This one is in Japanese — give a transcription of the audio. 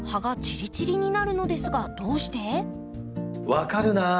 分かるなあ